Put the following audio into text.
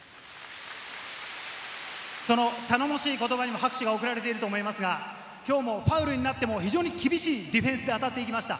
その頼もしい言葉にも拍手が送られていると思いますが、きょうもファウルになっても非常に厳しいディフェンスで当たっていきました。